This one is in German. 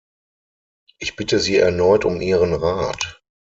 Ich bitte Sie erneut um Ihren Rat.